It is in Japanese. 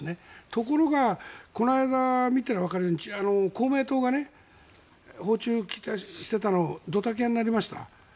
ところが、この間見ているとわかるように公明党が訪中、期待していたのがドタキャンになりました。